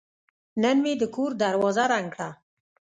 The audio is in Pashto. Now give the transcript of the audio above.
نن مې د کور دروازه رنګ کړه.